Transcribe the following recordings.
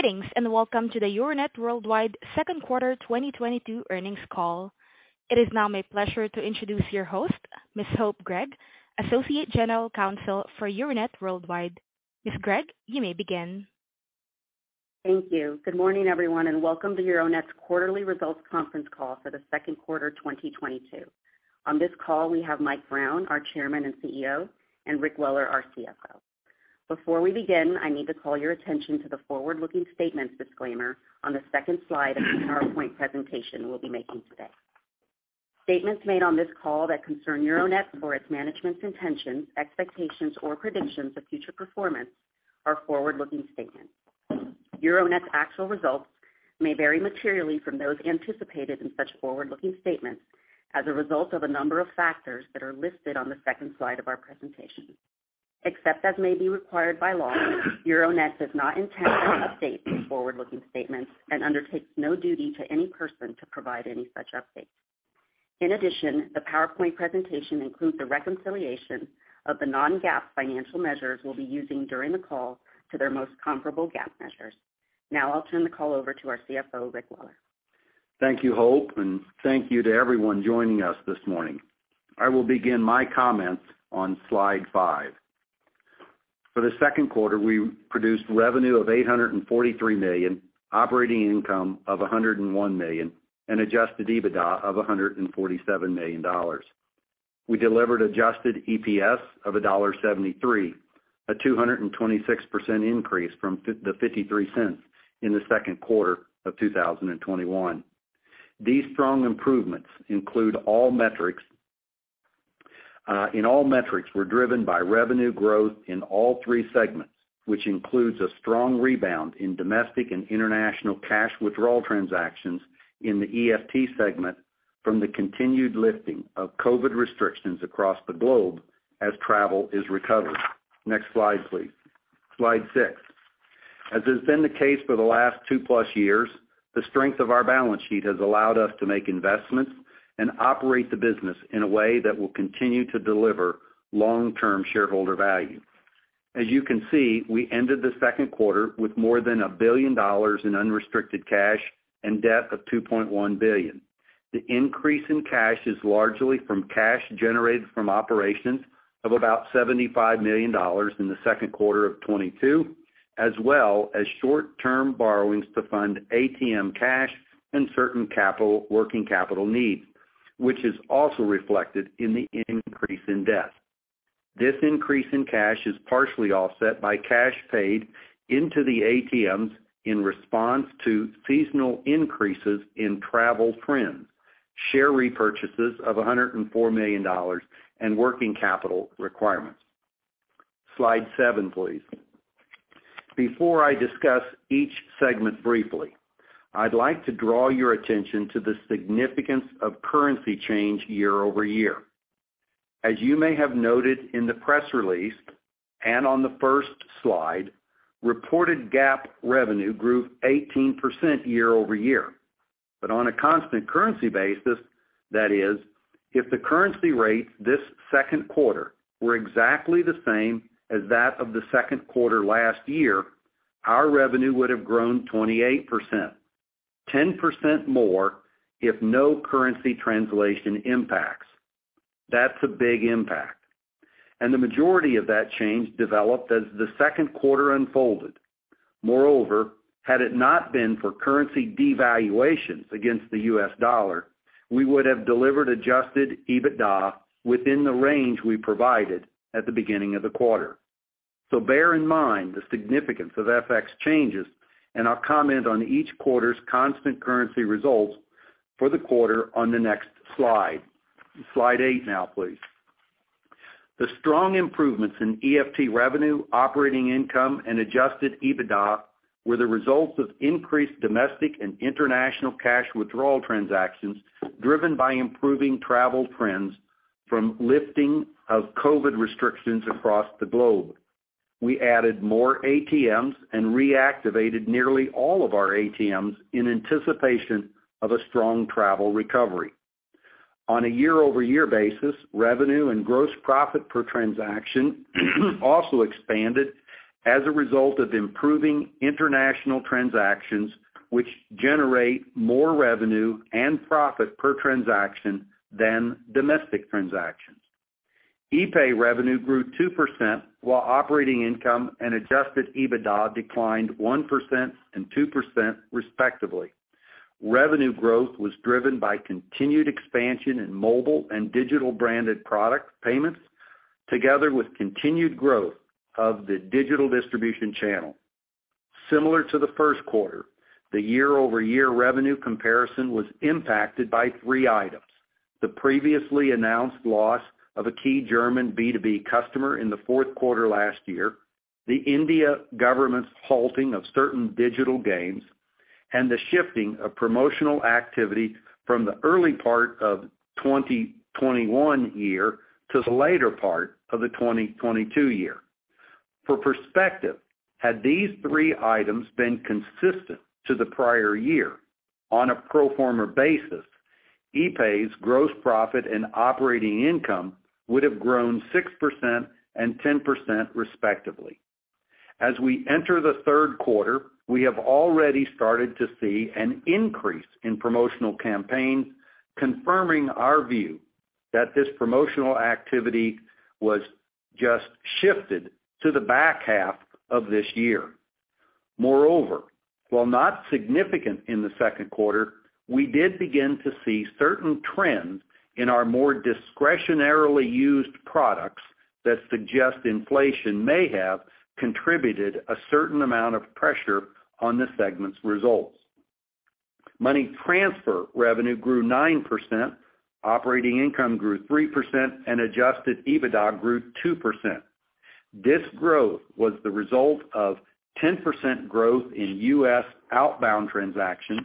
Greetings, and welcome to the Euronet Worldwide Q2 2022 earnings call. It is now my pleasure to introduce your host, Ms. Hope Greg, Associate General Counsel for Euronet Worldwide. Ms. Greg, you may begin. Thank you. Good morning, everyone, and welcome to Euronet's quarterly results conference call for the Q2 2022. On this call, we have Mike Brown, our Chairman and CEO, and Rick Weller, our CFO. Before we begin, I need to call your attention to the forward-looking statements disclaimer on the second slide of the PowerPoint presentation we'll be making today. Statements made on this call that concern Euronet or its management's intentions, expectations or predictions of future performance are forward-looking statements. Euronet's actual results may vary materially from those anticipated in such forward-looking statements as a result of a number of factors that are listed on the second slide of our presentation. Except as may be required by law, Euronet does not intend to update these forward-looking statements and undertakes no duty to any person to provide any such updates. In addition, the PowerPoint presentation includes the reconciliation of the non-GAAP financial measures we'll be using during the call to their most comparable GAAP measures. Now I'll turn the call over to our CFO, Rick Weller. Thank you, Hope, and thank you to everyone joining us this morning. I will begin my comments on slide 5. For the Q2, we produced revenue of $843 million, operating income of $101 million, and adjusted EBITDA of $147 million. We delivered adjusted EPS of $1.73, a 226% increase from the $0.53 in the Q2 of 2021. These strong improvements in all metrics were driven by revenue growth in all 3 segments, which includes a strong rebound in domestic and international cash withdrawal transactions in the EFT segment from the continued lifting of COVID restrictions across the globe as travel is recovering. Next slide, please. Slide 6. As has been the case for the last 2+ years, the strength of our balance sheet has allowed us to make investments and operate the business in a way that will continue to deliver long-term shareholder value. As you can see, we ended the Q2 with more than $1 billion in unrestricted cash and debt of $2.1 billion. The increase in cash is largely from cash generated from operations of about $75 million in the Q2 of 2022, as well as short-term borrowings to fund ATM cash and certain capital, working capital needs, which is also reflected in the increase in debt. This increase in cash is partially offset by cash paid into the ATMs in response to seasonal increases in travel trends, share repurchases of $104 million, and working capital requirements. Slide 7, please. Before I discuss each segment briefly, I'd like to draw your attention to the significance of currency change year-over-year. As you may have noted in the press release, and on the first slide, reported GAAP revenue grew 18% year-over-year. On a constant currency basis, that is, if the currency rates this Q2 were exactly the same as that of the Q2 last year, our revenue would have grown 28%, 10% more if no currency translation impacts. That's a big impact. The majority of that change developed as the Q2 unfolded. Moreover, had it not been for currency devaluations against the US dollar, we would have delivered adjusted EBITDA within the range we provided at the beginning of the quarter. Bear in mind the significance of FX changes and I'll comment on each quarter's constant currency results for the quarter on the next slide. Slide 8 now, please. The strong improvements in EFT revenue, operating income and adjusted EBITDA were the results of increased domestic and international cash withdrawal transactions driven by improving travel trends from lifting of COVID restrictions across the globe. We added more ATMs and reactivated nearly all of our ATMs in anticipation of a strong travel recovery. On a year-over-year basis, revenue and gross profit per transaction also expanded as a result of improving international transactions, which generate more revenue and profit per transaction than domestic transactions. epay revenue grew 2%, while operating income and adjusted EBITDA declined 1% and 2% respectively. Revenue growth was driven by continued expansion in mobile and digital branded product payments together with continued growth of the digital distribution channel. Similar to the Q1, the year-over-year revenue comparison was impacted by 3 items: the previously announced loss of a key German B2B customer in the Q4 last year, the Indian government's halting of certain digital games, and the shifting of promotional activity from the early part of 2021 year to the later part of the 2022 year. For perspective, had these 3 items been consistent to the prior year on a pro forma basis, epay's gross profit and operating income would have grown 6% and 10% respectively. As we enter the Q3, we have already started to see an increase in promotional campaigns, confirming our view that this promotional activity was just shifted to the back half of this year. Moreover, while not significant in the Q2, we did begin to see certain trends in our more discretionary used products that suggest inflation may have contributed a certain amount of pressure on the segment's results. Money transfer revenue grew 9%, operating income grew 3%, and adjusted EBITDA grew 2%. This growth was the result of 10% growth in US outbound transactions,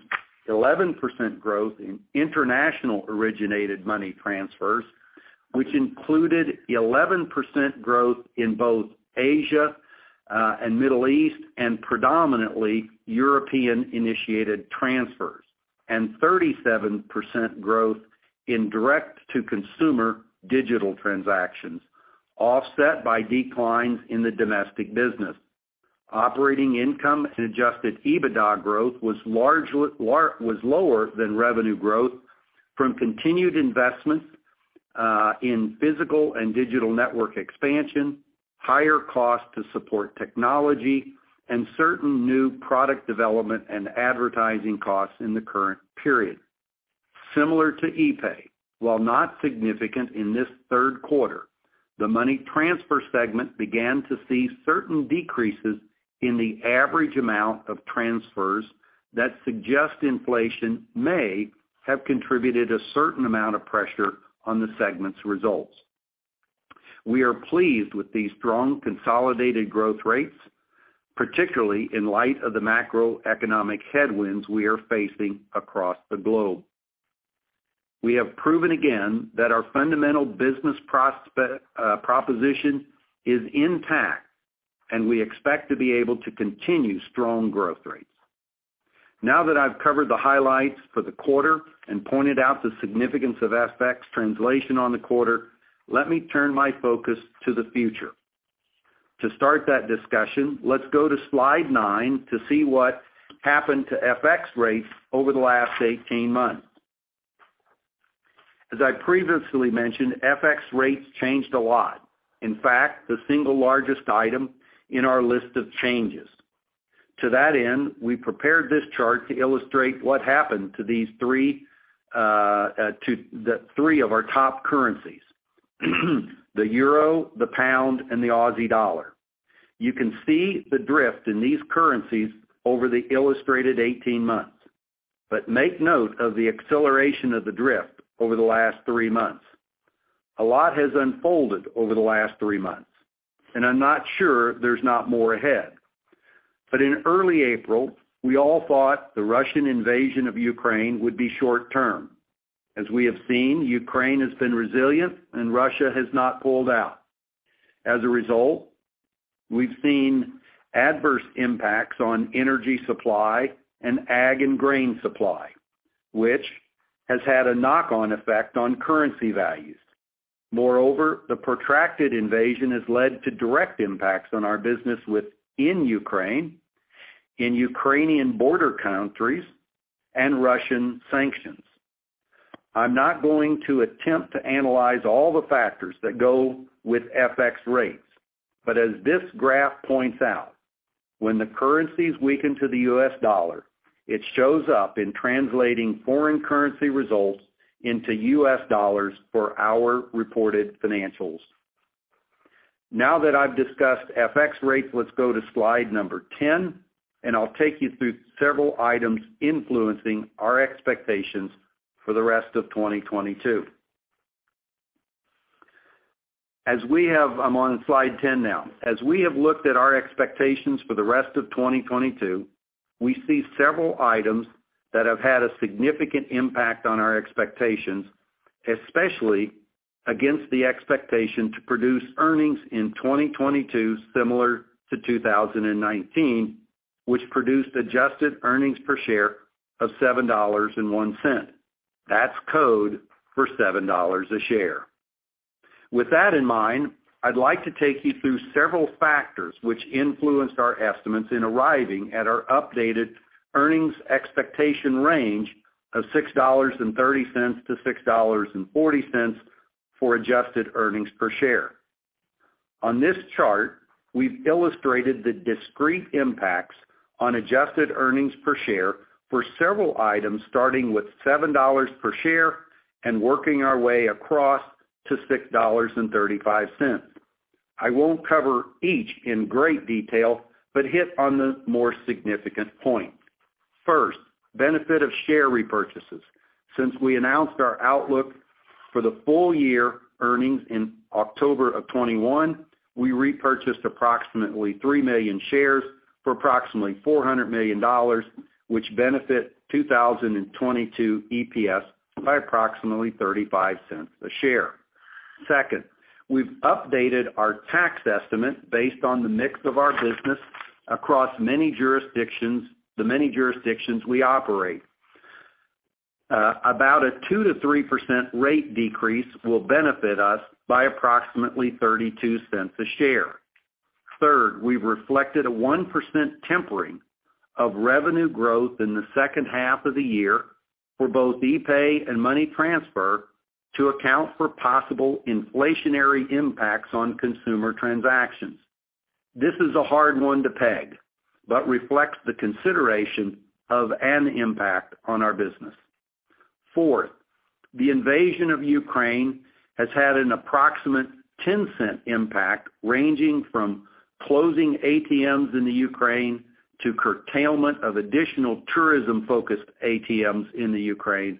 11% growth in international originated money transfers, which included 11% growth in both Asia and Middle East, and predominantly European-initiated transfers, and 37% growth in direct-to-consumer digital transactions, offset by declines in the domestic business. Operating income and adjusted EBITDA growth was lower than revenue growth from continued investments in physical and digital network expansion, higher costs to support technology, and certain new product development and advertising costs in the current period. Similar to epay, while not significant in this Q3, the money transfer segment began to see certain decreases in the average amount of transfers that suggest inflation may have contributed a certain amount of pressure on the segment's results. We are pleased with these strong consolidated growth rates, particularly in light of the macroeconomic headwinds we are facing across the globe. We have proven again that our fundamental business proposition is intact, and we expect to be able to continue strong growth rates. Now that I've covered the highlights for the quarter and pointed out the significance of FX translation on the quarter, let me turn my focus to the future. To start that discussion, let's go to Slide 9 to see what happened to FX rates over the last 18 months. As I previously mentioned, FX rates changed a lot. In fact, the single largest item in our list of changes. To that end, we prepared this chart to illustrate what happened to these 3, the 3 of our top currencies, the euro, the pound, and the Aussie dollar. You can see the drift in these currencies over the illustrated 18 months. Make note of the acceleration of the drift over the last 3 months. A lot has unfolded over the last 3 months, and I'm not sure there's not more ahead. In early April, we all thought the Russian invasion of Ukraine would be short-term. As we have seen, Ukraine has been resilient, and Russia has not pulled out. As a result, we've seen adverse impacts on energy supply and ag and grain supply, which has had a knock-on effect on currency values. Moreover, the protracted invasion has led to direct impacts on our business within Ukraine, in Ukrainian border countries and Russian sanctions. I'm not going to attempt to analyze all the factors that go with FX rates. As this graph points out, when the currencies weaken to the US dollar, it shows up in translating foreign currency results into US dollars for our reported financials. Now that I've discussed FX rates, let's go to slide number 10, and I'll take you through several items influencing our expectations for the rest of 2022. I'm on slide 10 now. As we have looked at our expectations for the rest of 2022, we see several items that have had a significant impact on our expectations, especially against the expectation to produce earnings in 2022 similar to 2019, which produced adjusted earnings per share of $7.01. That's code for $7 a share. With that in mind, I'd like to take you through several factors which influenced our estimates in arriving at our updated earnings expectation range of $6.30 to $6.40 for adjusted earnings per share. On this chart, we've illustrated the discrete impacts on adjusted earnings per share for several items starting with $7 per share and working our way across to $6.35. I won't cover each in great detail, but hit on the more significant points. First, benefit of share repurchases. Since we announced our outlook for the full year earnings in October 2021, we repurchased approximately 3 million shares for approximately $400 million, which benefit 2022 EPS by approximately $0.35 a share. Second, we've updated our tax estimate based on the mix of our business across many jurisdictions, the many jurisdictions we operate. About a 2% to 3% rate decrease will benefit us by approximately $0.32 a share. Third, we've reflected a 1% tempering of revenue growth in the H2 of the year for both epay and money transfer to account for possible inflationary impacts on consumer transactions. This is a hard one to peg, but reflects the consideration of an impact on our business. Fourth, the invasion of Ukraine has had an approximate $0.10 impact, ranging from closing ATMs in Ukraine to curtailment of additional tourism-focused ATMs in Ukraine,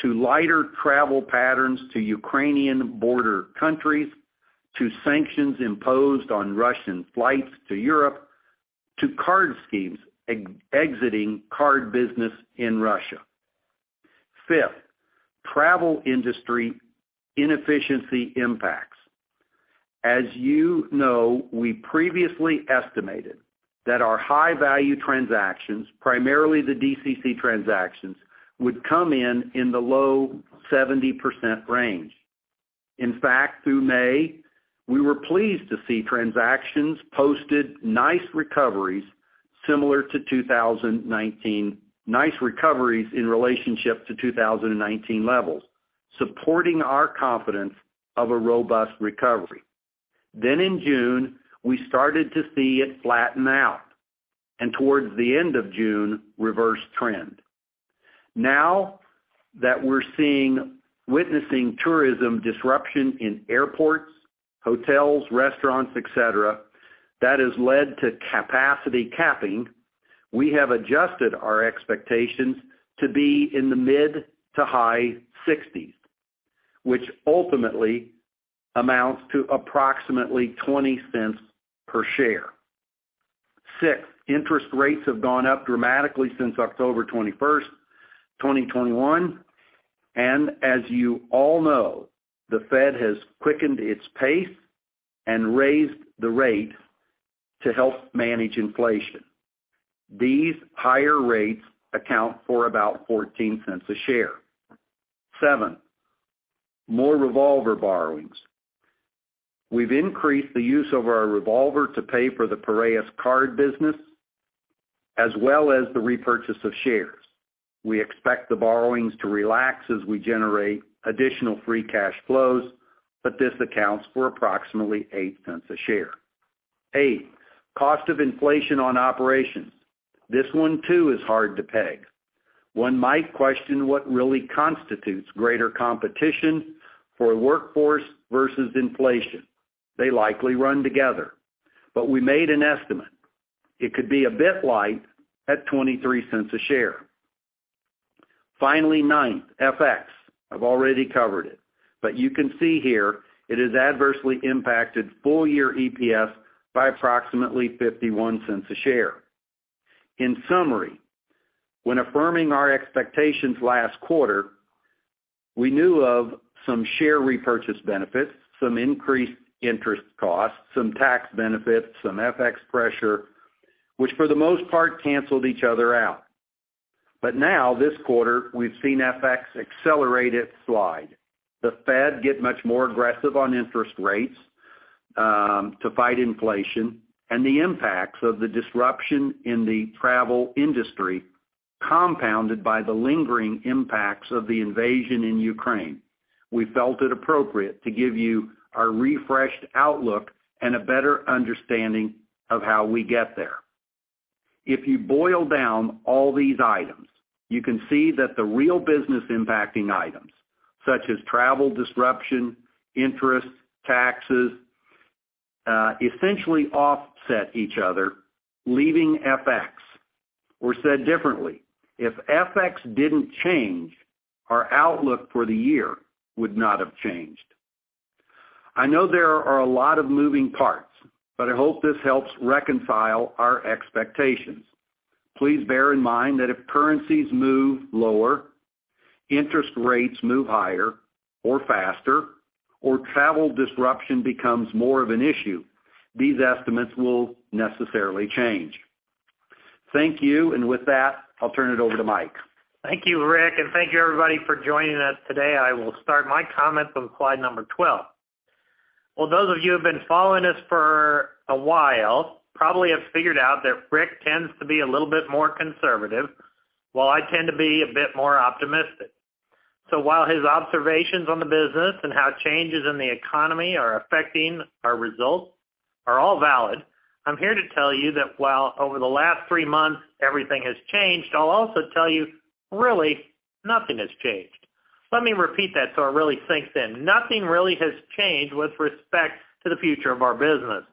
to lighter travel patterns to Ukrainian border countries, to sanctions imposed on Russian flights to Europe, to card schemes exiting card business in Russia. Fifth, travel industry inefficiency impacts. As you know, we previously estimated that our high-value transactions, primarily the DCC transactions, would come in the low 70% range. In fact, through May, we were pleased to see transactions posted nice recoveries similar to 2019, nice recoveries in relationship to 2019 levels, supporting our confidence of a robust recovery. Then in June, we started to see it flatten out, and towards the end of June, reverse trend. Now that we're witnessing tourism disruption in airports, hotels, restaurants, et cetera, that has led to capacity capping, we have adjusted our expectations to be in the mid- to high 60s, which ultimately amounts to approximately $0.20 per share. Sixth, interest rates have gone up dramatically since October 21, 2021, and as you all know, the Fed has quickened its pace and raised the rate to help manage inflation. These higher rates account for about $0.14 a share. 7, more revolver borrowings. We've increased the use of our revolver to pay for the Piraeus card business as well as the repurchase of shares. We expect the borrowings to relax as we generate additional free cash flows, but this accounts for approximately $0.08 a share. 8, cost of inflation on operations. This one too is hard to peg. 1 might question what really constitutes greater competition for workforce versus inflation. They likely run together. We made an estimate. It could be a bit light at $0.23 a share. Finally, ninth, FX. I've already covered it. You can see here it has adversely impacted full-year EPS by approximately $0.51 a share. In summary, when affirming our expectations last quarter, we knew of some share repurchase benefits, some increased interest costs, some tax benefits, some FX pressure, which for the most part canceled each other out. Now, this quarter, we've seen FX accelerate its slide. The Fed get much more aggressive on interest rates to fight inflation and the impacts of the disruption in the travel industry, compounded by the lingering impacts of the invasion in Ukraine. We felt it appropriate to give you our refreshed outlook and a better understanding of how we get there. If you boil down all these items, you can see that the real business impacting items, such as travel disruption, interest, taxes, essentially offset each other, leaving FX. Or said differently, if FX didn't change, our outlook for the year would not have changed. I know there are a lot of moving parts, but I hope this helps reconcile our expectations. Please bear in mind that if currencies move lower, interest rates move higher or faster, or travel disruption becomes more of an issue, these estimates will necessarily change. Thank you. With that, I'll turn it over to Mike. Thank you, Rick, and thank you everybody for joining us today. I will start my comments on slide number 12. Well, those of you who have been following us for a while probably have figured out that Rick tends to be a little bit more conservative, while I tend to be a bit more optimistic. While his observations on the business and how changes in the economy are affecting our results are all valid, I'm here to tell you that while over the last 3 months, everything has changed, I'll also tell you, really, nothing has changed. Let me repeat that so it really sinks in. Nothing really has changed with respect to the future of our business.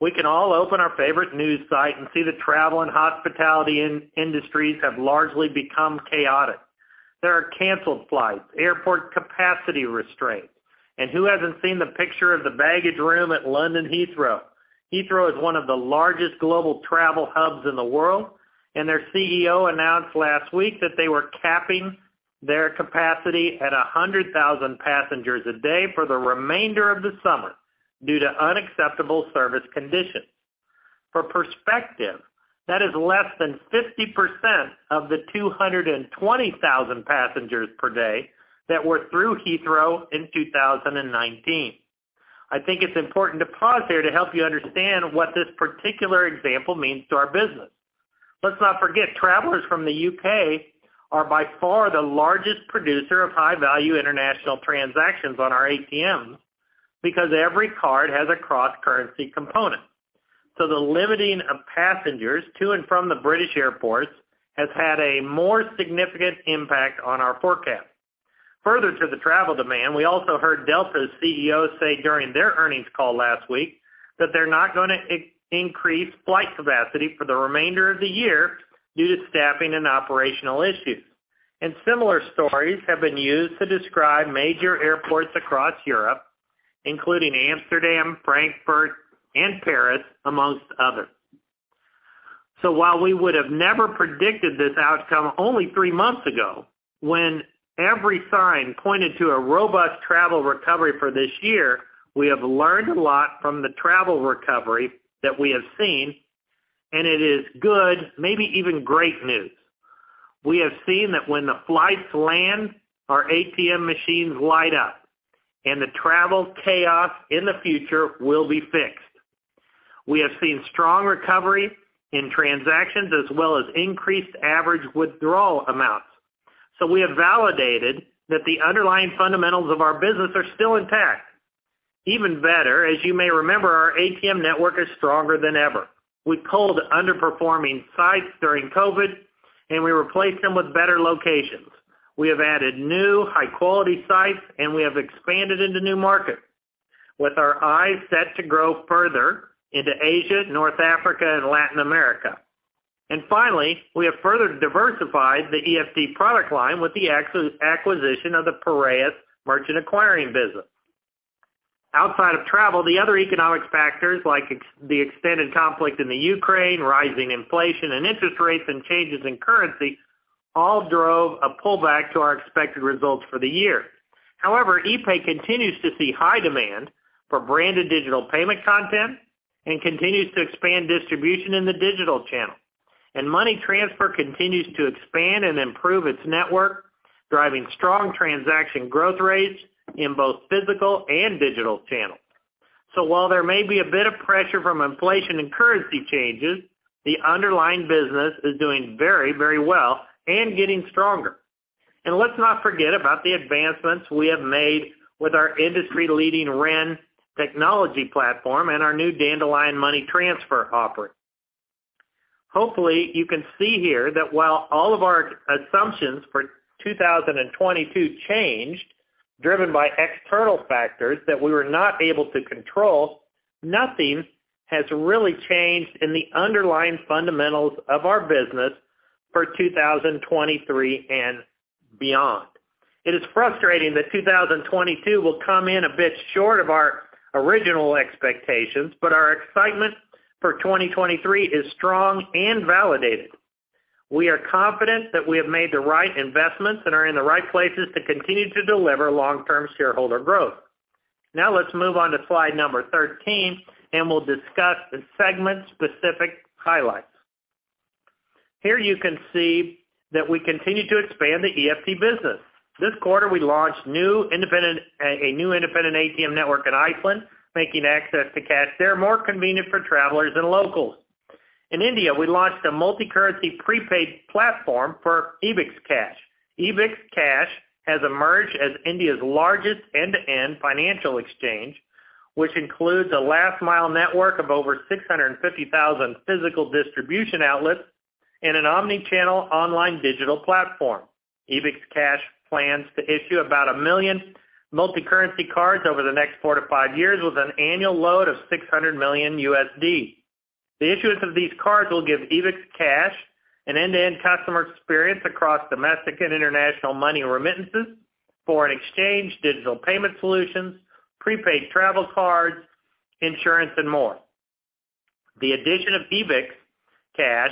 We can all open our favorite news site and see the travel and hospitality industries have largely become chaotic. There are canceled flights, airport capacity restraints, and who hasn't seen the picture of the baggage room at London Heathrow? Heathrow is one of the largest global travel hubs in the world. Their CEO announced last week that they were capping their capacity at 100,000 passengers a day for the remainder of the summer due to unacceptable service conditions. For perspective, that is less than 50% of the 220,000 passengers per day that were through Heathrow in 2019. I think it's important to pause here to help you understand what this particular example means to our business. Let's not forget, travelers from the UK are by far the largest producer of high-value international transactions on our ATMs because every card has a cross-currency component. The limiting of passengers to and from the British airports has had a more significant impact on our forecast. Further to the travel demand, we also heard Delta's CEO say during their earnings call last week that they're not going to increase flight capacity for the remainder of the year due to staffing and operational issues. Similar stories have been used to describe major airports across Europe, including Amsterdam, Frankfurt, and Paris, among others. While we would have never predicted this outcome only 3 months ago, when every sign pointed to a robust travel recovery for this year, we have learned a lot from the travel recovery that we have seen, and it is good, maybe even great news. We have seen that when the flights land, our ATM machines light up, and the travel chaos in the future will be fixed. We have seen strong recovery in transactions as well as increased average withdrawal amounts. We have validated that the underlying fundamentals of our business are still intact. Even better, as you may remember, our ATM network is stronger than ever. We culled underperforming sites during COVID, and we replaced them with better locations. We have added new high-quality sites, and we have expanded into new markets with our eyes set to grow further into Asia, North Africa, and Latin America. Finally, we have further diversified the EFT product line with the acquisition of the Piraeus Merchant Acquiring business. Outside of travel, the other economic factors like the extended conflict in the Ukraine, rising inflation and interest rates and changes in currency all drove a pullback to our expected results for the year. However, epay continues to see high demand for branded digital payment content and continues to expand distribution in the digital channel. Money Transfer continues to expand and improve its network, driving strong transaction growth rates in both physical and digital channels. While there may be a bit of pressure from inflation and currency changes, the underlying business is doing very, very well and getting stronger. Let's not forget about the advancements we have made with our industry-leading REN technology platform and our new Dandelion Money Transfer offering. Hopefully, you can see here that while all of our assumptions for 2022 changed, driven by external factors that we were not able to control, nothing has really changed in the underlying fundamentals of our business for 2023 and beyond. It is frustrating that 2022 will come in a bit short of our original expectations, but our excitement for 2023 is strong and validated. We are confident that we have made the right investments and are in the right places to continue to deliver long-term shareholder growth. Now let's move on to slide 13, and we'll discuss the segment-specific highlights. Here you can see that we continue to expand the EFT business. This quarter, we launched a new independent ATM network in Iceland, making access to cash there more convenient for travelers and locals. In India, we launched a multicurrency prepaid platform for EbixCash. EbixCash has emerged as India's largest end-to-end financial exchange, which includes a last-mile network of over 650,000 physical distribution outlets and an omni-channel online digital platform. EbixCash plans to issue about 1 million multicurrency cards over the next 4 to 5 years with an annual load of $600 million. The issuance of these cards will give EbixCash an end-to-end customer experience across domestic and international money remittances, foreign exchange, digital payment solutions, prepaid travel cards, insurance, and more. The addition of EbixCash,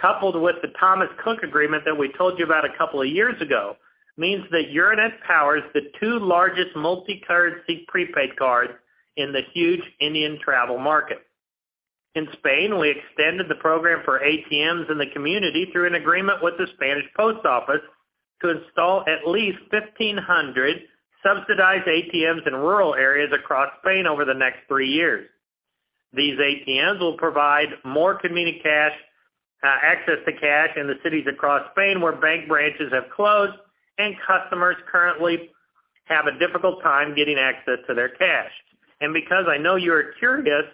coupled with the Thomas Cook agreement that we told you about a couple of years ago, means that Euronet powers the 2 largest multicurrency prepaid cards in the huge Indian travel market. In Spain, we extended the program for ATMs in the community through an agreement with Correos to install at least 1,500 subsidized ATMs in rural areas across Spain over the next 3 years. These ATMs will provide more community cash, access to cash in the cities across Spain where bank branches have closed and customers currently have a difficult time getting access to their cash. Because I know you are curious,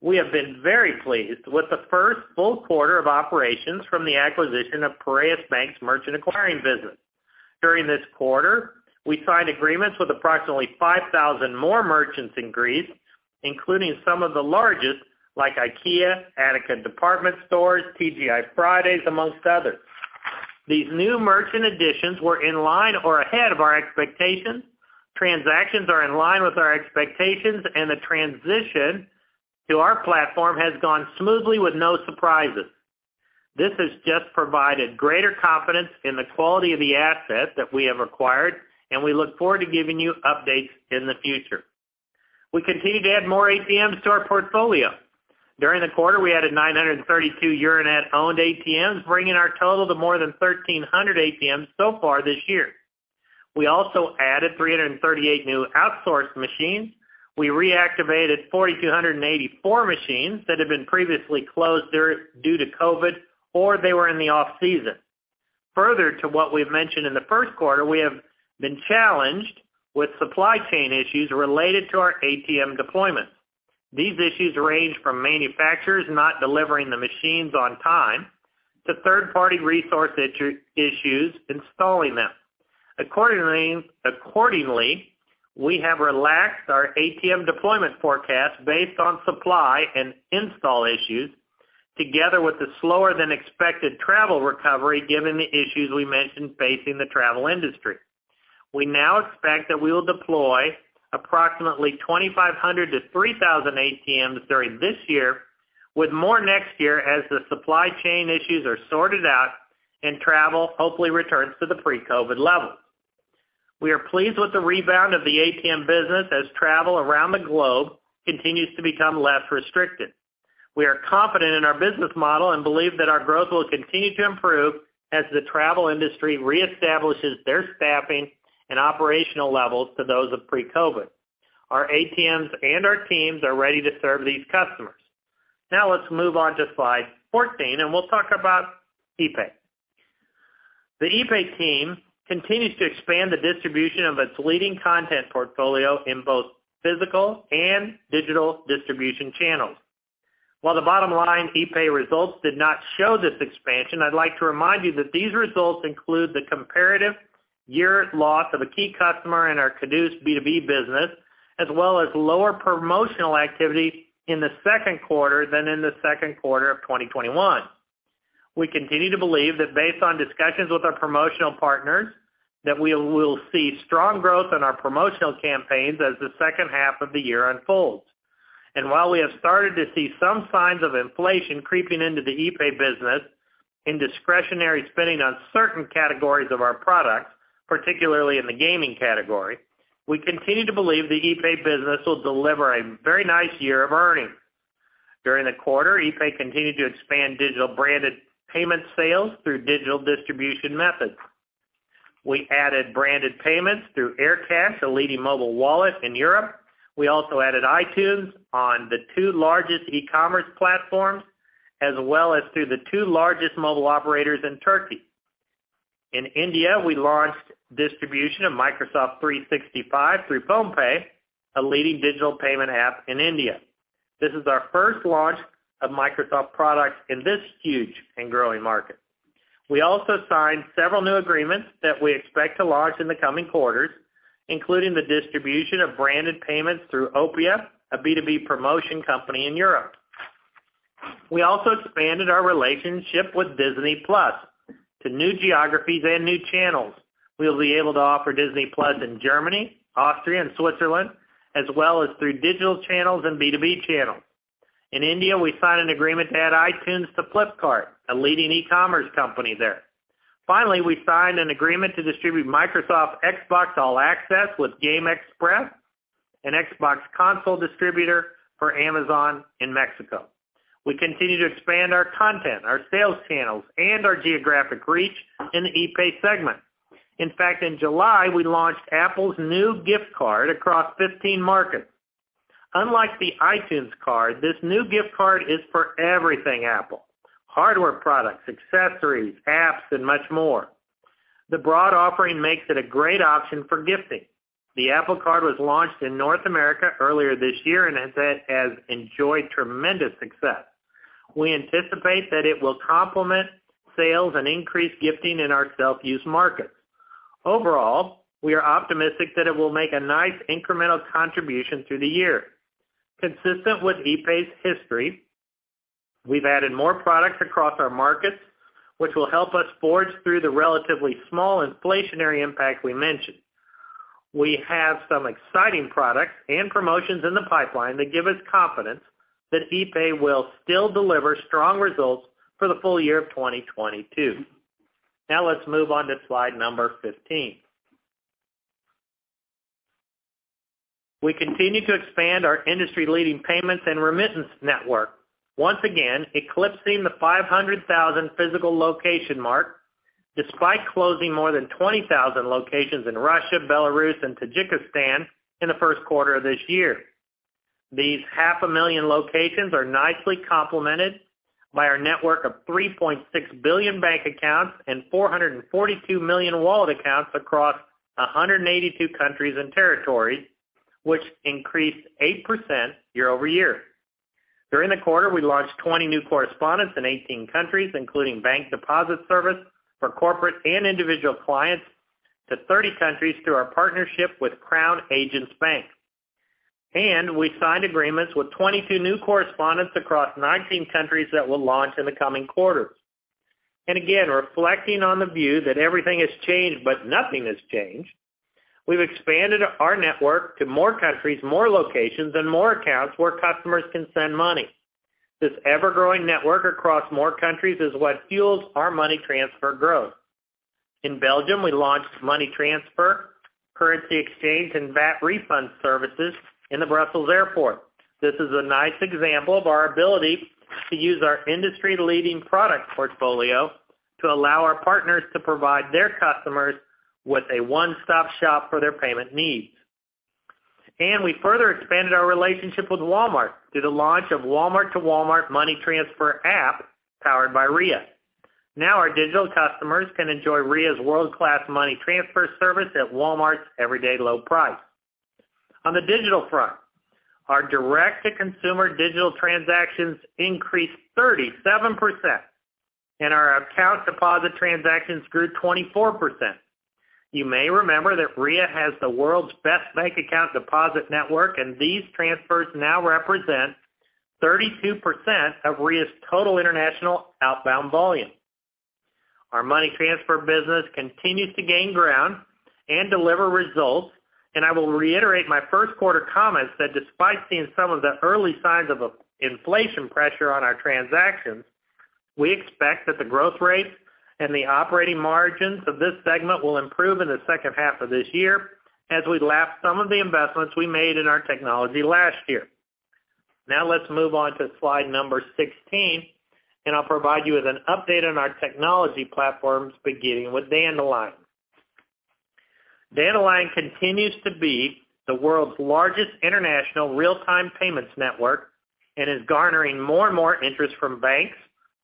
we have been very pleased with the first full quarter of operations from the acquisition of Piraeus Bank's merchant acquiring business. During this quarter, we signed agreements with approximately 5,000 more merchants in Greece, including some of the largest, like IKEA, Attica Department Stores, TGI Fridays, amongst others. These new merchant additions were in line or ahead of our expectations. Transactions are in line with our expectations, and the transition to our platform has gone smoothly with no surprises. This has just provided greater confidence in the quality of the asset that we have acquired, and we look forward to giving you updates in the future. We continue to add more ATMs to our portfolio. During the quarter, we added 932 Euronet-owned ATMs, bringing our total to more than 1,300 ATMs so far this year. We also added 338 new outsourced machines. We reactivated 4,284 machines that had been previously closed due to COVID or they were in the off-season. Further to what we've mentioned in the Q1, we have been challenged with supply chain issues related to our ATM deployments. These issues range from manufacturers not delivering the machines on time to third-party resource issues installing them. Accordingly, we have relaxed our ATM deployment forecast based on supply and install issues, together with the slower than expected travel recovery given the issues we mentioned facing the travel industry. We now expect that we will deploy approximately 2,500 to 3,000 ATMs during this year, with more next year as the supply chain issues are sorted out and travel hopefully returns to the pre-COVID levels. We are pleased with the rebound of the ATM business as travel around the globe continues to become less restricted. We are confident in our business model and believe that our growth will continue to improve as the travel industry reestablishes their staffing and operational levels to those of pre-COVID. Our ATMs and our teams are ready to serve these customers. Now let's move on to slide 14, and we'll talk about epay. The epay team continues to expand the distribution of its leading content portfolio in both physical and digital distribution channels. While the bottom line epay results did not show this expansion, I'd like to remind you that these results include the comparative year loss of a key customer in our Cadooz B2B business, as well as lower promotional activity in the Q2 than in the Q2 of 2021. We continue to believe that based on discussions with our promotional partners, that we will see strong growth in our promotional campaigns as the H2 of the year unfolds. While we have started to see some signs of inflation creeping into the epay business in discretionary spending on certain categories of our products, particularly in the gaming category, we continue to believe the epay business will deliver a very nice year of earnings. During the quarter, epay continued to expand digital branded payment sales through digital distribution methods. We added branded payments through Aircash, a leading mobile wallet in Europe. We also added iTunes on the 2 largest e-commerce platforms, as well as through the 2 largest mobile operators in Turkey. In India, we launched distribution of Microsoft 365 through PhonePe, a leading digital payment app in India. This is our first launch of Microsoft products in this huge and growing market. We also signed several new agreements that we expect to launch in the coming quarters, including the distribution of branded payments through Opia, a B2B promotion company in Europe. We also expanded our relationship with Disney+ to new geographies and new channels. We will be able to offer Disney+ in Germany, Austria and Switzerland, as well as through digital channels and B2B channels. In India, we signed an agreement to add iTunes to Flipkart, a leading e-commerce company there. Finally, we signed an agreement to distribute Microsoft Xbox All Access with GameXpress, an Xbox console distributor for Amazon in Mexico. We continue to expand our content, our sales channels, and our geographic reach in the epay segment. In fact, in July, we launched Apple's new gift card across 15 markets. Unlike the iTunes card, this new gift card is for everything Apple, hardware products, accessories, apps and much more. The broad offering makes it a great option for gifting. The Apple card was launched in North America earlier this year, and it has enjoyed tremendous success. We anticipate that it will complement sales and increase gifting in our self-use markets. Overall, we are optimistic that it will make a nice incremental contribution through the year. Consistent with epay's history, we've added more products across our markets, which will help us forge through the relatively small inflationary impact we mentioned. We have some exciting products and promotions in the pipeline that give us confidence that epay will still deliver strong results for the full year of 2022. Now let's move on to slide number 15. We continue to expand our industry-leading payments and remittance network, once again eclipsing the 500,000 physical location mark, despite closing more than 20,000 locations in Russia, Belarus and Tajikistan in the Q1 of this year. These 500,000 locations are nicely complemented by our network of 3.6 billion bank accounts and 442 million wallet accounts across 182 countries and territories, which increased 8% year-over-year. During the quarter, we launched 20 new correspondents in 18 countries, including bank deposit service for corporate and individual clients to 30 countries through our partnership with Crown Agents Bank. We signed agreements with 22 new correspondents across 19 countries that will launch in the coming quarters. Again, reflecting on the view that everything has changed but nothing has changed, we've expanded our network to more countries, more locations and more accounts where customers can send money. This ever-growing network across more countries is what fuels our money transfer growth. In Belgium, we launched money transfer, currency exchange, and VAT refund services in the Brussels Airport. This is a nice example of our ability to use our industry-leading product portfolio to allow our partners to provide their customers with a one-stop-shop for their payment needs. We further expanded our relationship with Walmart through the launch of Walmart2Walmart money transfer app powered by Ria. Now our digital customers can enjoy Ria's world-class money transfer service at Walmart's everyday low price. On the digital front, our direct-to-consumer digital transactions increased 37% and our account deposit transactions grew 24%. You may remember that Ria has the world's best bank account deposit network, and these transfers now represent 32% of Ria's total international outbound volume. Our money transfer business continues to gain ground and deliver results, and I will reiterate my Q1 comments that despite seeing some of the early signs of inflation pressure on our transactions, we expect that the growth rate and the operating margins of this segment will improve in the H2 of this year. Now let's move on to slide number 16, and I'll provide you with an update on our technology platforms, beginning with Dandelion. Dandelion continues to be the world's largest international real-time payments network and is garnering more and more interest from banks,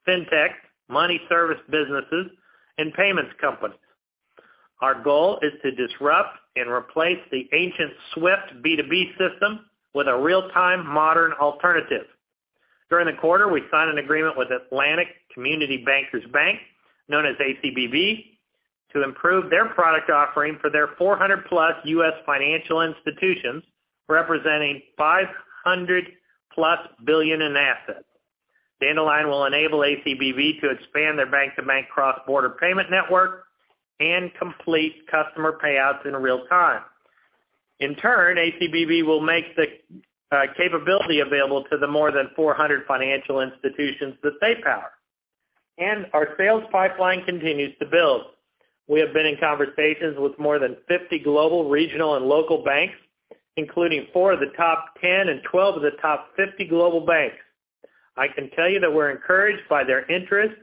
fintech, money service businesses, and payments companies. Our goal is to disrupt and replace the ancient SWIFT B2B system with a real-time modern alternative. During the quarter, we signed an agreement with Atlantic Community Bankers Bank, known as ACBB, to improve their product offering for their 400+ U.S. financial institutions, representing $500+ billion in assets. Dandelion will enable ACBB to expand their bank-to-bank cross-border payment network and complete customer payouts in real time. In turn, ACBB will make the capability available to the more than 400 financial institutions that they power. Our sales pipeline continues to build. We have been in conversations with more than 50 global, regional, and local banks, including 4 of the top 10 and 12 of the top 50 global banks. I can tell you that we're encouraged by their interest,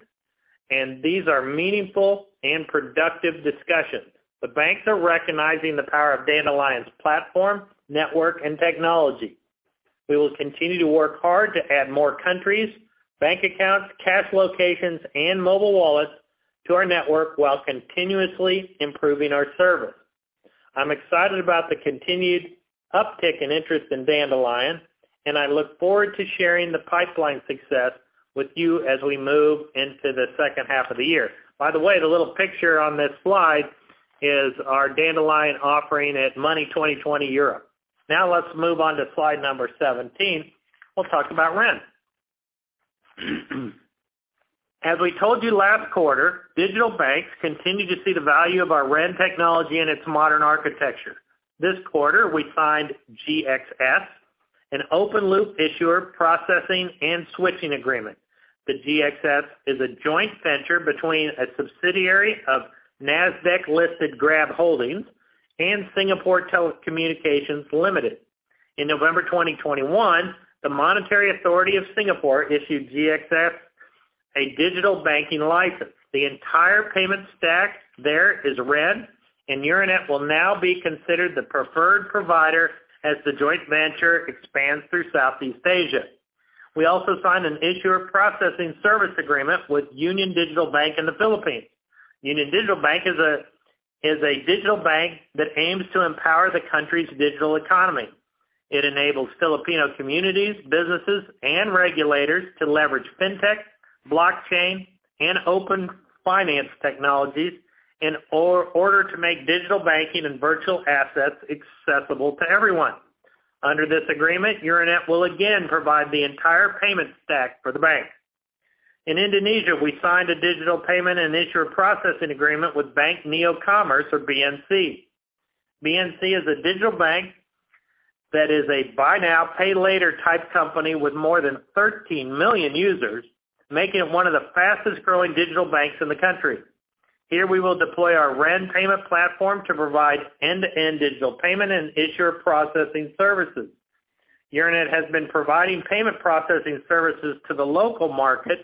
and these are meaningful and productive discussions. The banks are recognizing the power of Dandelion's platform, network, and technology. We will continue to work hard to add more countries, bank accounts, cash locations, and mobile wallets to our network while continuously improving our service. I'm excited about the continued uptick in interest in Dandelion, and I look forward to sharing the pipeline success with you as we move into the H2 of the year. By the way, the little picture on this slide is our Dandelion offering at Money20/20 Europe. Now let's move on to slide number 17. We'll talk about REN. As we told you last quarter, digital banks continue to see the value of our REN technology and its modern architecture. This quarter, we signed GXS, an open loop issuer processing and switching agreement. The GXS is a joint venture between a subsidiary of Nasdaq-listed Grab Holdings and Singapore Telecommunications Limited. In November 2021, the Monetary Authority of Singapore issued GXS a digital banking license. The entire payment stack there is REN, and Euronet will now be considered the preferred provider as the joint venture expands through Southeast Asia. We also signed an issuer processing service agreement with UnionDigital Bank in the Philippines. UnionDigital Bank is a digital bank that aims to empower the country's digital economy. It enables Filipino communities, businesses, and regulators to leverage fintech, blockchain, and open finance technologies in order to make digital banking and virtual assets accessible to everyone. Under this agreement, Euronet will again provide the entire payment stack for the bank. In Indonesia, we signed a digital payment and issuer processing agreement with Bank Neo Commerce, or BNC. BNC is a digital bank that is a buy now, pay later type company with more than 13 million users, making it one of the fastest-growing digital banks in the country. Here we will deploy our REN payment platform to provide end-to-end digital payment and issuer processing services. Euronet has been providing payment processing services to the local market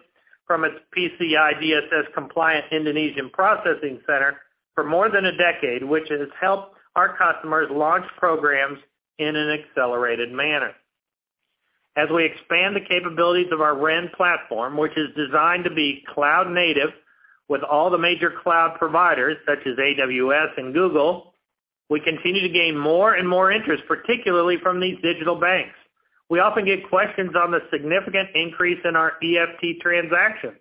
from its PCI DSS compliant Indonesian processing center for more than a decade, which has helped our customers launch programs in an accelerated manner. As we expand the capabilities of our REN platform, which is designed to be cloud native with all the major cloud providers such as AWS and Google, we continue to gain more and more interest, particularly from these digital banks. We often get questions on the significant increase in our EFT transactions.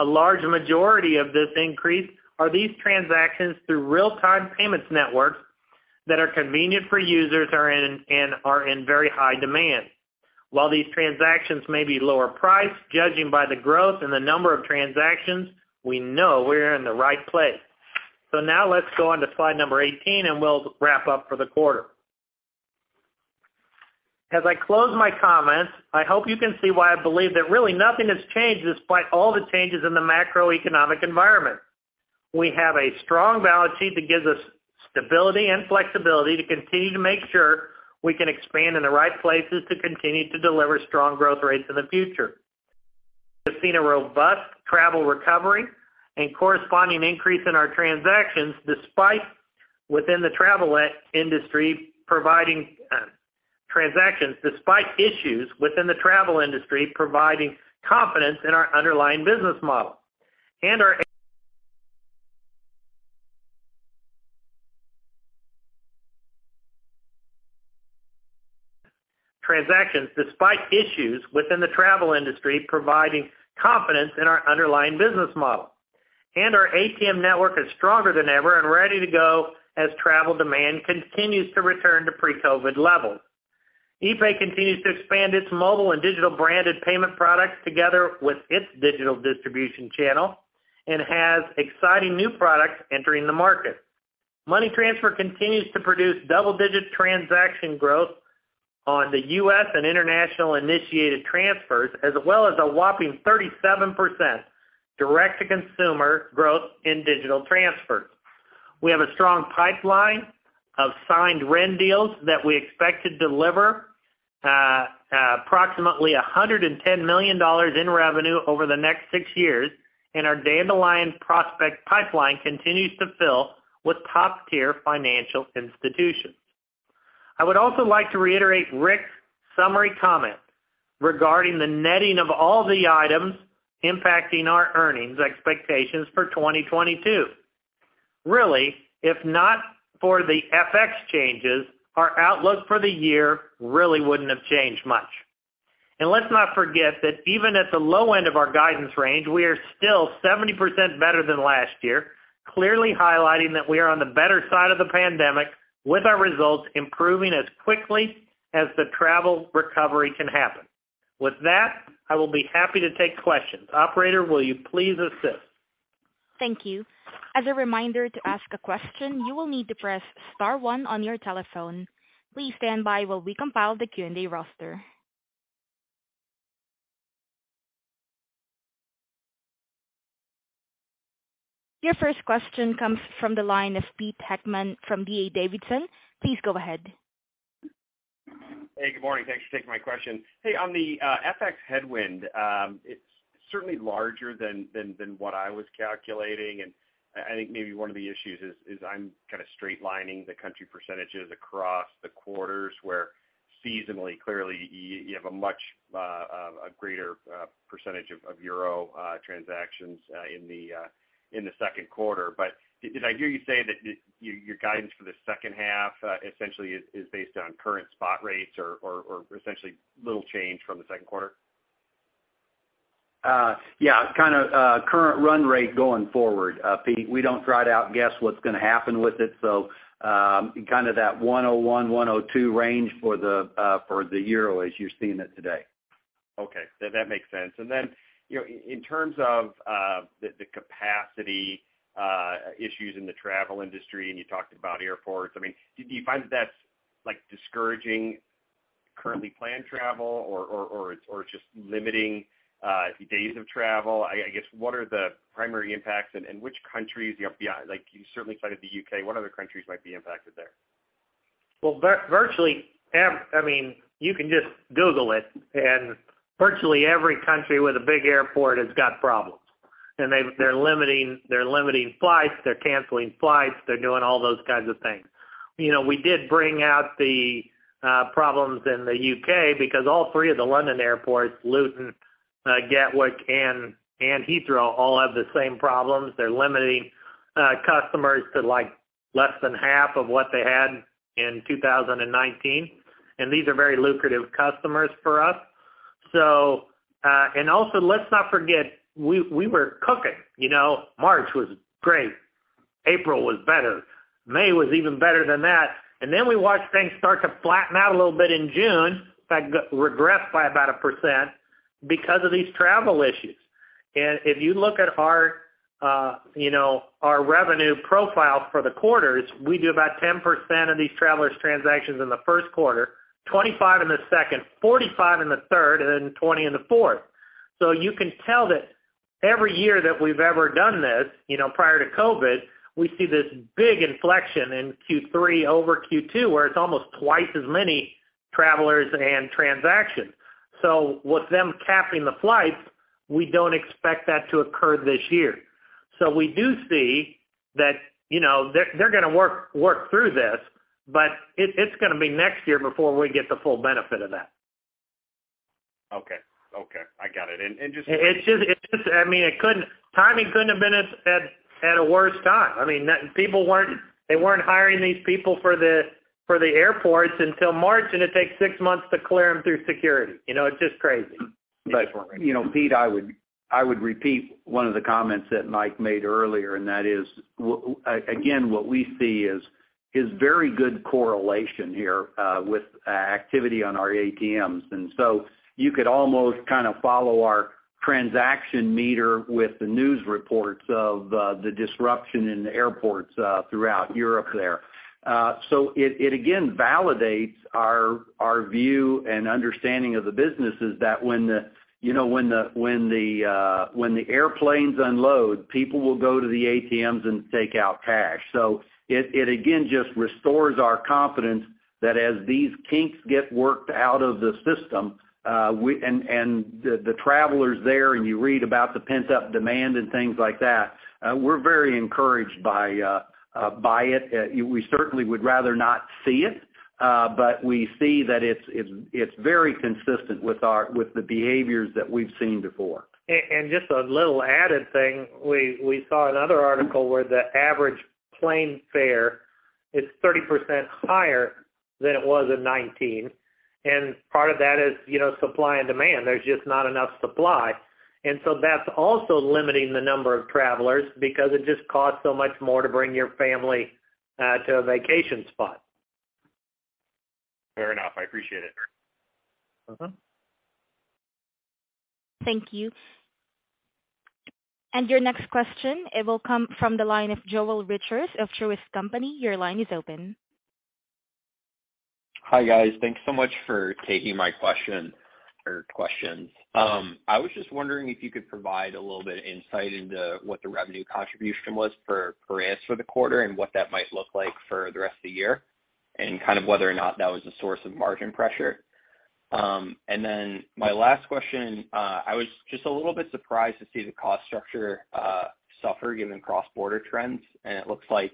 A large majority of this increase are these transactions through real-time payments networks that are convenient for users and are in very high demand. While these transactions may be lower priced, judging by the growth and the number of transactions, we know we're in the right place. Now let's go on to slide number 18, and we'll wrap up for the quarter. As I close my comments, I hope you can see why I believe that really nothing has changed despite all the changes in the macroeconomic environment. We have a strong balance sheet that gives us stability and flexibility to continue to make sure we can expand in the right places to continue to deliver strong growth rates in the future. We've seen a robust travel recovery and corresponding increase in our transactions despite issues within the travel industry, providing confidence in our underlying business model. Our ATM network is stronger than ever and ready to go as travel demand continues to return to pre-COVID levels. epay continues to expand its mobile and digital branded payment products together with its digital distribution channel and has exciting new products entering the market. Money Transfer continues to produce double-digit transaction growth on the U.S. and international-initiated transfers, as well as a whopping 37% direct-to-consumer growth in digital transfers. We have a strong pipeline of signed REN deals that we expect to deliver approximately $110 million in revenue over the next 6 years, and our Dandelion prospect pipeline continues to fill with top-tier financial institutions. I would also like to reiterate Rick's summary comment regarding the netting of all the items impacting our earnings expectations for 2022. Really, if not for the FX changes, our outlook for the year really wouldn't have changed much. Let's not forget that even at the low end of our guidance range, we are still 70% better than last year, clearly highlighting that we are on the better side of the pandemic with our results improving as quickly as the travel recovery can happen. With that, I will be happy to take questions. Operator, will you please assist? Thank you. As a reminder, to ask a question, you will need to press star one on your telephone. Please stand by while we compile the Q&A roster. Your first question comes from the line of Peter Heckmann from D.A. Davidson. Please go ahead. Hey, good morning. Thanks for taking my question. Hey, on the FX headwind, it's certainly larger than what I was calculating. I think maybe one of the issues is I'm kinda straight lining the country percentages across the quarters where seasonally, clearly you have a much greater percentage of Euro transactions in the Q2. Did I hear you say that your guidance for the H2 essentially is based on current spot rates or essentially little change from the Q2? Yeah, kind of current run rate going forward, Pete. We don't try to outguess what's gonna happen with it. Kind of that 101 to 102 range for the Euro as you're seeing it today. Okay. That makes sense. Then, you know, in terms of the capacity issues in the travel industry, and you talked about airports, I mean, do you find that that's like discouraging currently planned travel or it's just limiting days of travel? I guess what are the primary impacts and which countries, you know, like, you certainly cited the UK, what other countries might be impacted there? Well, virtually every—I mean, you can just Google it, and virtually every country with a big airport has got problems. They're limiting flights, they're canceling flights, they're doing all those kinds of things. You know, we did bring out the problems in the U.K. because all 3 of the London airports, Luton, Gatwick, and Heathrow, all have the same problems. They're limiting customers to, like, less than half of what they had in 2019, and these are very lucrative customers for us. Also, let's not forget, we were cooking, you know. March was great, April was better, May was even better than that. We watched things start to flatten out a little bit in June. In fact, regress by about 1% because of these travel issues. If you look at our, you know, our revenue profile for the quarters, we do about 10% of these travelers' transactions in the Q1, 25% in the Q2, 45% in the third, and then 20% in the Q4. You can tell that every year that we've ever done this, you know, prior to COVID, we see this big inflection in Q3 over Q2, where it's almost twice as many travelers and transactions. With them capping the flights, we don't expect that to occur this year. We do see that, you know, they're gonna work through this, but it's gonna be next year before we get the full benefit of that. Okay. I got it. Just- It just, I mean, timing couldn't have been at a worse time. I mean, people weren't hiring these people for the airports until March, and it takes 6 months to clear them through security. You know, it's just crazy. You know, Pete, I would repeat one of the comments that Mike made earlier, and that is, again, what we see is very good correlation here with activity on our ATMs. You could almost kind of follow our transaction meter with the news reports of the disruption in the airports throughout Europe there. It again validates our view and understanding of the businesses that when the airplanes unload, people will go to the ATMs and take out cash. It again just restores our confidence that as these kinks get worked out of the system, we and the travelers there, and you read about the pent-up demand and things like that, we're very encouraged by it. We certainly would rather not see it, but we see that it's very consistent with the behaviors that we've seen before. Just a little added thing, we saw another article where the average airfare is 30% higher than it was in 2019, and part of that is, you know, supply and demand. There's just not enough supply. That's also limiting the number of travelers because it just costs so much more to bring your family to a vacation spot. Fair enough. I appreciate it. Uh-huh. Thank you. Your next question, it will come from the line of Joel Richards of Truist Securities. Your line is open. Hi, guys. Thanks so much for taking my question or questions. I was just wondering if you could provide a little bit of insight into what the revenue contribution was for REN for the quarter and what that might look like for the rest of the year, and kind of whether or not that was a source of margin pressure. Then my last question, I was just a little bit surprised to see the cost structure suffer given cross-border trends, and it looks like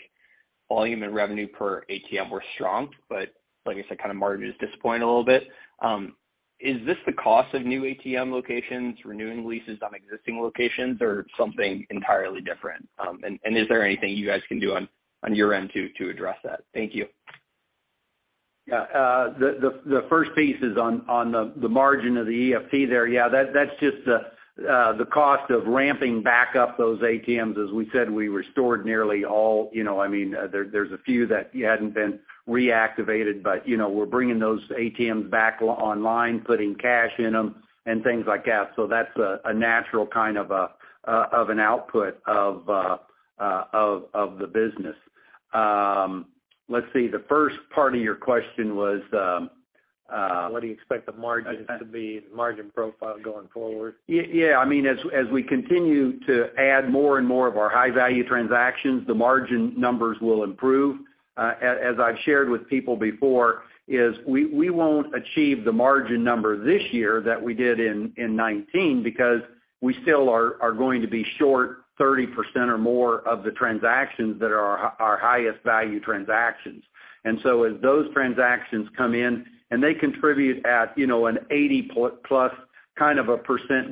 volume and revenue per ATM were strong. Like I said, kind of margins disappoint a little bit. Is this the cost of new ATM locations, renewing leases on existing locations or something entirely different? Is there anything you guys can do on your end to address that? Thank you. Yeah, the first piece is on the margin of the EFT there. Yeah, that's just the cost of ramping back up those ATMs. As we said, we restored nearly all, you know, I mean, there's a few that hadn't been reactivated, but, you know, we're bringing those ATMs back online, putting cash in them and things like that. That's a natural kind of an output of the business. Let's see, the first part of your question was What do you expect the margins to be, the margin profile going forward? Yeah. I mean, as we continue to add more and more of our high-value transactions, the margin numbers will improve. As I've shared with people before, we won't achieve the margin number this year that we did in 2019 because we still are going to be short 30% or more of the transactions that are our highest value transactions. As those transactions come in, and they contribute at, you know, an 80+%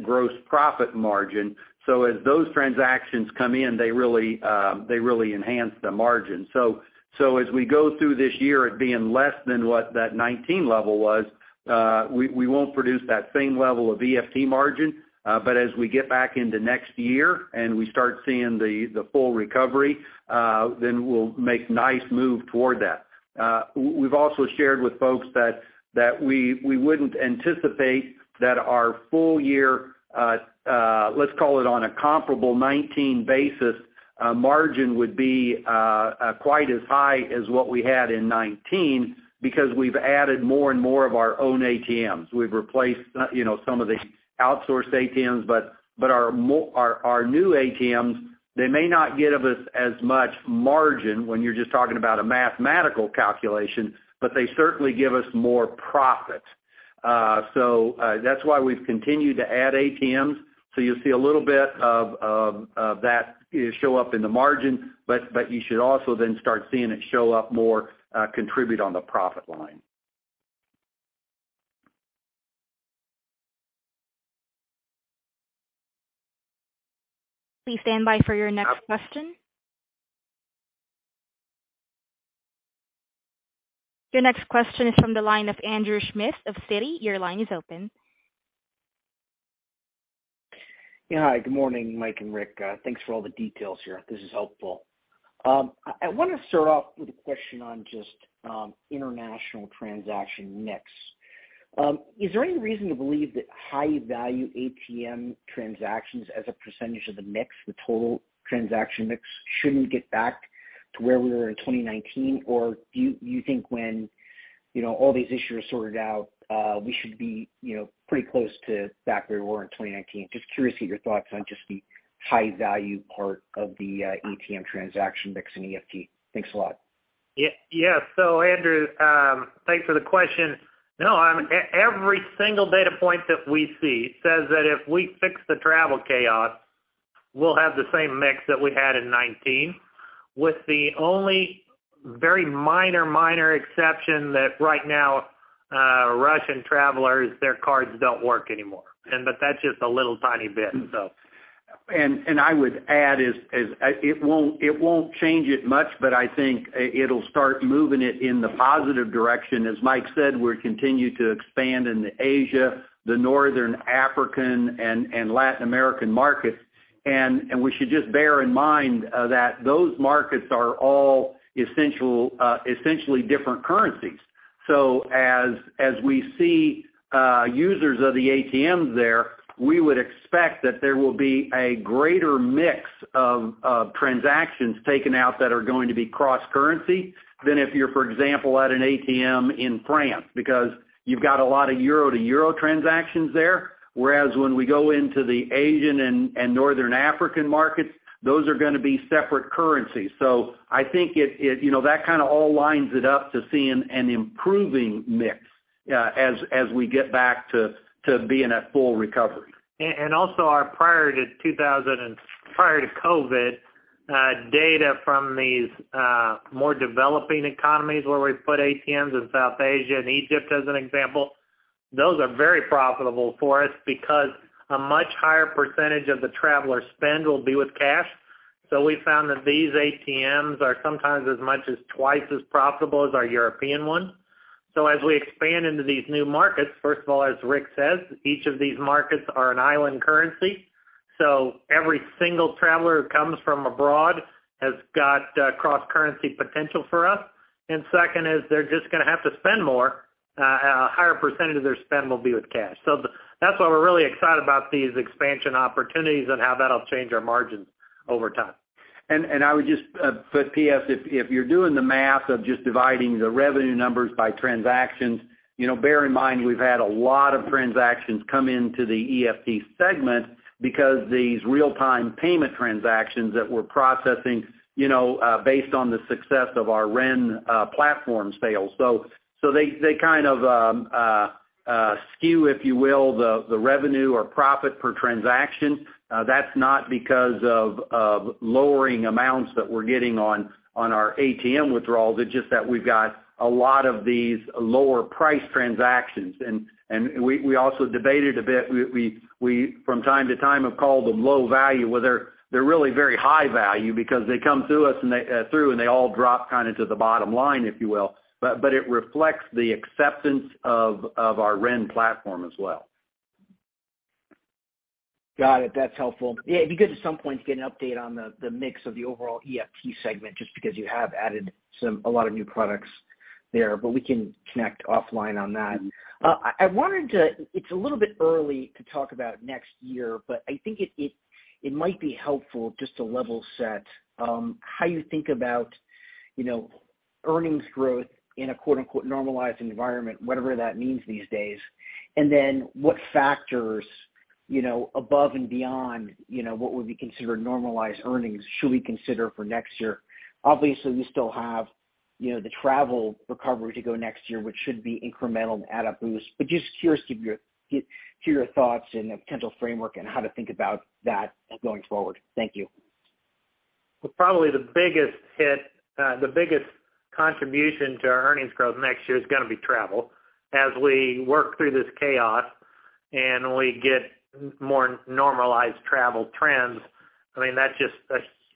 gross profit margin. As those transactions come in, they really enhance the margin. As we go through this year, it being less than what that 2019 level was, we won't produce that same level of EFT margin. As we get back into next year and we start seeing the full recovery, then we'll make nice move toward that. We've also shared with folks that we wouldn't anticipate that our full year, let's call it on a comparable 2019 basis, margin would be quite as high as what we had in 2019 because we've added more and more of our own ATMs. We've replaced, you know, some of the outsourced ATMs, but our new ATMs, they may not give us as much margin when you're just talking about a mathematical calculation, but they certainly give us more profit. That's why we've continued to add ATMs. You'll see a little bit of that show up in the margin, but you should also then start seeing it show up more, contribute on the profit line. Please stand by for your next question. Your next question is from the line of Andrew Schmidt of Citi. Your line is open. Yeah. Hi, good morning, Mike and Rick. Thanks for all the details here. This is helpful. I want to start off with a question on just international transaction mix. Is there any reason to believe that high-value ATM transactions as a percentage of the mix, the total transaction mix, shouldn't get back to where we were in 2019? Or do you think when you know all these issues are sorted out, we should be you know pretty close to back where we were in 2019? Just curious to get your thoughts on just the high-value part of the ATM transaction mix in EFT. Thanks a lot. Yes. Andrew Schmidt, thanks for the question. No, I mean, every single data point that we see says that if we fix the travel chaos, we'll have the same mix that we had in 2019, with the only very minor exception that right now, Russian travelers' cards don't work anymore. That's just a little tiny bit. I would add, it won't change it much, but I think it'll start moving it in the positive direction. As Mike said, we're continuing to expand into Asia, the Northern African and Latin American markets. We should just bear in mind that those markets are all essentially different currencies. As we see users of the ATMs there, we would expect that there will be a greater mix of transactions taken out that are going to be cross-currency than if you're, for example, at an ATM in France, because you've got a lot of euro to euro transactions there. Whereas when we go into the Asian and Northern African markets, those are gonna be separate currencies. I think it you know that kind of all lines it up to seeing an improving mix, as we get back to being at full recovery. Prior to COVID, data from these more developing economies where we've put ATMs in South Asia and Egypt, as an example, those are very profitable for us because a much higher percentage of the traveler spend will be with cash. We found that these ATMs are sometimes as much as twice as profitable as our European ones. As we expand into these new markets, first of all, as Rick says, each of these markets are an isolated currency, so every single traveler who comes from abroad has got cross-currency potential for us. Second is they're just gonna have to spend more. A higher percentage of their spend will be with cash. That's why we're really excited about these expansion opportunities and how that'll change our margins over time. I would just put PS, if you're doing the math of just dividing the revenue numbers by transactions, you know, bear in mind, we've had a lot of transactions come into the EFT segment because these real-time payment transactions that we're processing, you know, based on the success of our REN platform sales. They kind of skew, if you will, the revenue or profit per transaction. That's not because of lowering amounts that we're getting on our ATM withdrawals. It's just that we've got a lot of these lower price transactions. We also debated a bit. We from time to time have called them low value, where they're really very high value because they come through us and they all drop kind of to the bottom line, if you will. It reflects the acceptance of our REN platform as well. Got it. That's helpful. Yeah, it'd be good at some point to get an update on the mix of the overall EFT segment, just because you have added a lot of new products there, but we can connect offline on that. It's a little bit early to talk about next year, but I think it might be helpful just to level set how you think about, you know, earnings growth in a quote-unquote normalized environment, whatever that means these days. Then what factors, you know, above and beyond, you know, what would be considered normalized earnings should we consider for next year? Obviously, you still have, you know, the travel recovery to go next year, which should be incremental and add a boost. Just curious to get your thoughts and potential framework on how to think about that going forward. Thank you. Well, probably the biggest hit, the biggest contribution to our earnings growth next year is gonna be travel. As we work through this chaos and we get more normalized travel trends, I mean, that's just,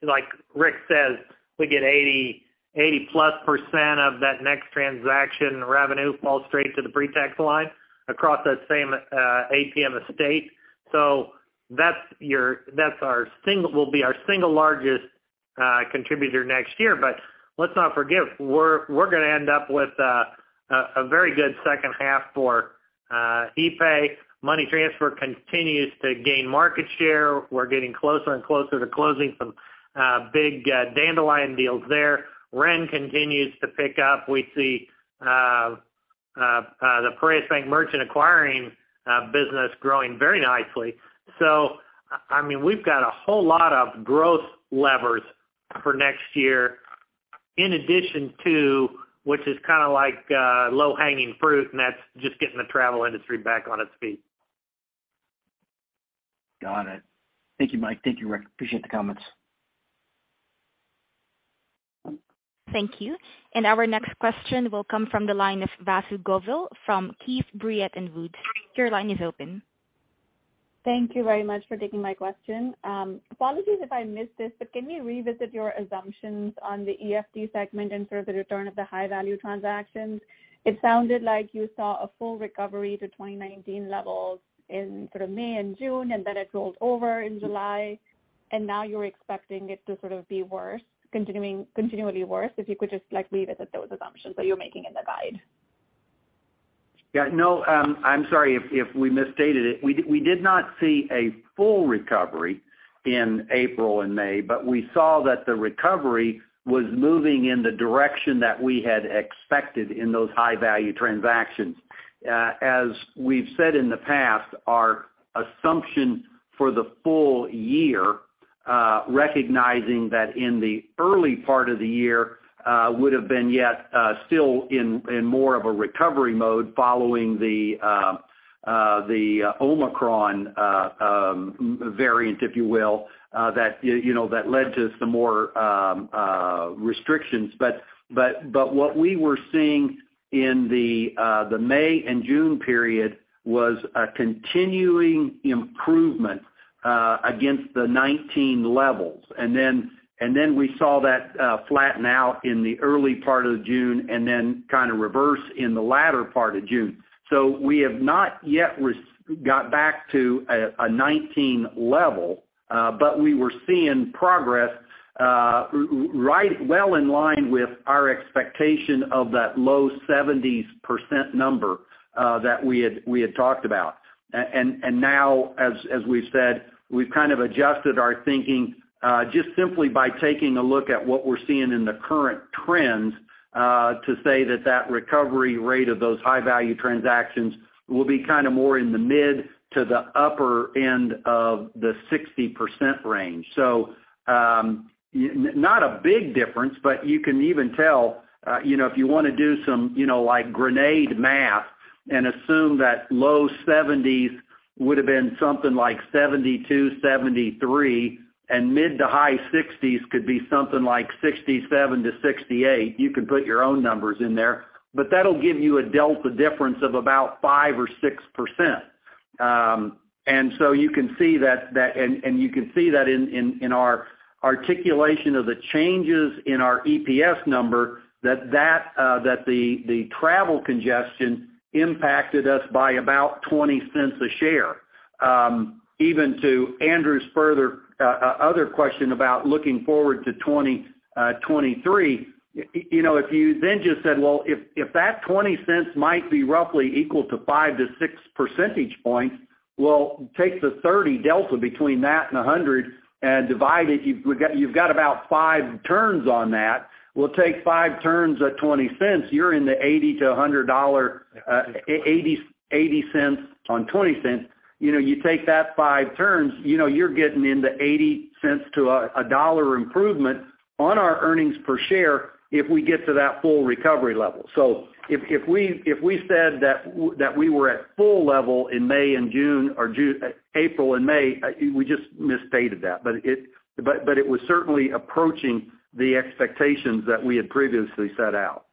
like Rick says, we get 80+% of that next transaction revenue fall straight to the pre-tax line across that same ATM estate. That's our single largest contributor next year. Let's not forget, we're gonna end up with a very good H2 for epay. Money transfer continues to gain market share. We're getting closer and closer to closing some big Dandelion deals there. REN continues to pick up. We see the Piraeus merchant acquiring business growing very nicely. I mean, we've got a whole lot of growth levers for next year in addition to, which is kinda like, low-hanging fruit, and that's just getting the travel industry back on its feet. Got it. Thank you, Mike. Thank you, Rick. Appreciate the comments. Thank you. Our next question will come from the line of Vasu Govil from Keefe, Bruyette & Woods. Your line is open. Thank you very much for taking my question. Apologies if I missed this, but can you revisit your assumptions on the EFT segment and sort of the return of the high-value transactions? It sounded like you saw a full recovery to 2019 levels in sort of May and June, and then it rolled over in July, and now you're expecting it to sort of be worse, continuing, continually worse. If you could just like revisit those assumptions that you're making in the guide. Yeah, no, I'm sorry if we misstated it. We did not see a full recovery in April and May, but we saw that the recovery was moving in the direction that we had expected in those high-value transactions. As we've said in the past, our assumption for the full year, recognizing that in the early part of the year, would have been yet still in more of a recovery mode following the Omicron variant, if you will, that you know that led to some more restrictions. What we were seeing in the May and June period was a continuing improvement against the 2019 levels. We saw that flatten out in the early part of June, and then kinda reverse in the latter part of June. We have not yet got back to a 19 level, but we were seeing progress, right well in line with our expectation of that low 70s % number, that we had talked about. Now as we've said, we've kind of adjusted our thinking, just simply by taking a look at what we're seeing in the current trends, to say that recovery rate of those high-value transactions will be kinda more in the mid to the upper end of the 60% range. Not a big difference, but you can even tell, you know, if you wanna do some, you know, like granular math and assume that low 70s would've been something like 72, 73, and mid- to high 60s could be something like 67 to 68, you could put your own numbers in there. That'll give you a delta difference of about 5% or 6%. You can see that in our articulation of the changes in our EPS number, that the travel congestion impacted us by about $0.20 a share. Even to Andrew's further other question about looking forward to 2023, you know, if you then just said, well, if that $0.20 might be roughly equal to 5% to 6% points, well, take the 30 delta between that and 100 and divide it, you've got about 5 turns on that. We'll take 5 turns at $0.20, you're in the $0.80 to $1.00, $0.80 on $0.20. You know, you take that 5 turns, you know, you're getting into $0.80 to $1.00 improvement on our earnings per share if we get to that full recovery level. If we said that we were at full level in May and June, or April and May, we just misstated that. It was certainly approaching the expectations that we had previously set out.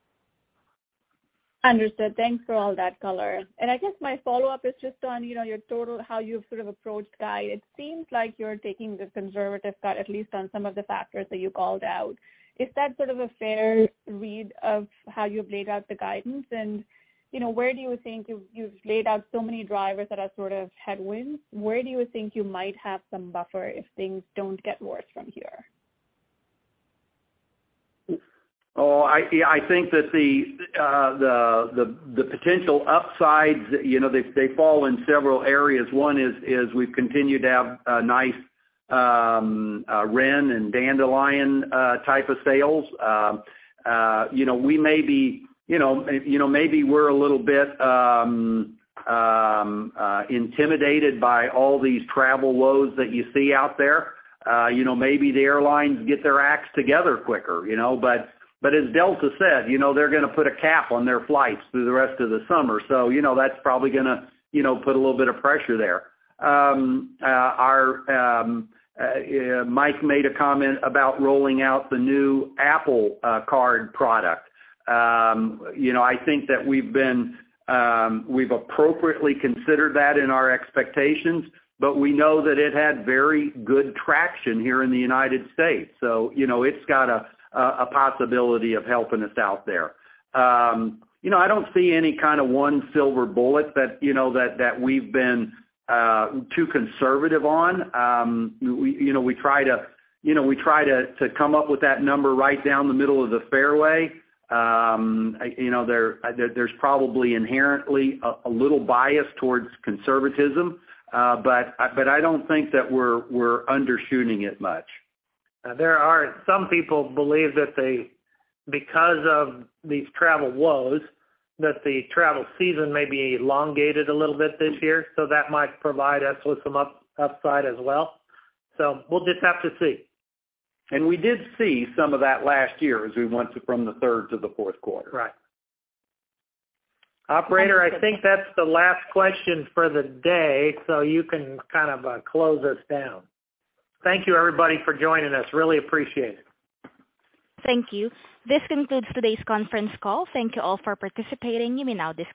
Understood. Thanks for all that color. I guess my follow-up is just on, you know, your total, how you've sort of approached guidance. It seems like you're taking the conservative side, at least on some of the factors that you called out. Is that sort of a fair read of how you've laid out the guidance? You know, where do you think you've laid out so many drivers that are sort of headwinds, where do you think you might have some buffer if things don't get worse from here? I think that the potential upsides, you know, they fall in several areas. 1 is we've continued to have a nice REN and Dandelion type of sales. You know, we may be, you know, maybe we're a little bit intimidated by all these travel woes that you see out there. You know, maybe the airlines get their acts together quicker, you know. As Delta said, you know, they're gonna put a cap on their flights through the rest of the summer. You know, that's probably gonna put a little bit of pressure there. Our Mike made a comment about rolling out the new Apple Card product. You know, I think that we've appropriately considered that in our expectations, but we know that it had very good traction here in the United States. You know, it's got a possibility of helping us out there. You know, I don't see any kinda 1 silver bullet that you know that we've been too conservative on. We try to, you know, come up with that number right down the middle of the fairway. You know, there's probably inherently a little bias towards conservatism. I don't think that we're undershooting it much. There are some people believe that they, because of these travel woes, that the travel season may be elongated a little bit this year, so that might provide us with some upside as well. We'll just have to see. We did see some of that last year as we went from the Q3 to the Q4. Right. Operator, I think that's the last question for the day, so you can kind of, close us down. Thank you everybody for joining us. Really appreciate it. Thank you. This concludes today's conference call. Thank you all for participating. You may now disconnect.